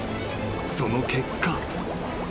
［その結果］